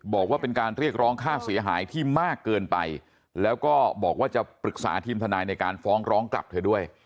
บอกว่าเป็นการเรียกร้องค่าเสียหายที่มากเกินไปแล้วก็บอกว่าจะปรึกษาทีมทนายในการฟ้องร้องกลับเธอด้วย